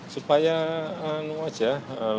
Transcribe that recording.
supaya lebih berhasil